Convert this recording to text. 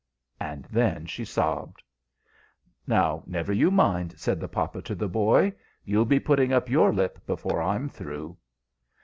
and then she sobbed. "Now, never you mind," said the papa to the boy. "You'll be putting up your lip before I'm through.